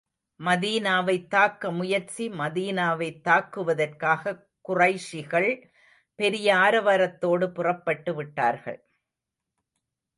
மதீனாவைத் தாக்க முயற்சி மதீனாவைத் தாக்குவதற்காகக் குறைஷிகள் பெரிய ஆரவாரத்தோடு புறப்பட்டு விட்டார்கள்.